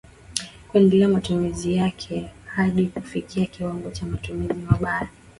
kuendeleza matumizi yake hadi kufikia kiwango cha matumizi mabaya